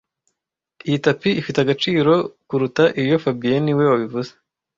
Iyi tapi ifite agaciro kuruta iyo fabien niwe wabivuze